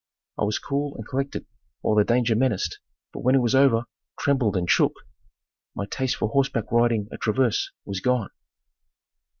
I was cool and collected while the danger menaced, but when it was over, trembled and shook. My taste for horseback riding at Traverse was gone.